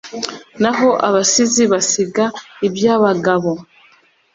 Naho abasizi basiga ibyabagabo?